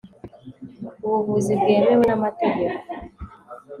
ubuvuzi bwemewe n'amategeko